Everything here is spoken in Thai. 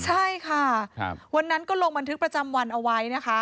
ใช่ค่ะวันนั้นก็ลงบันทึกประจำวันเอาไว้นะคะ